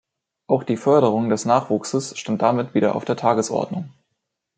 Auch die Förderung des Nachwuchses stand damit wieder auf der Tagesordnung.